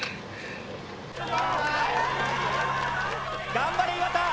・頑張れ岩田！